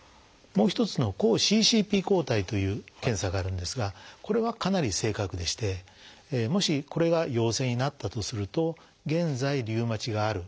もう一つの「抗ＣＣＰ抗体」という検査があるんですがこれはかなり正確でしてもしこれが陽性になったとすると現在リウマチがある。